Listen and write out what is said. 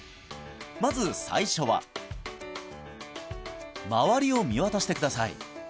まず最初は周りを見渡してください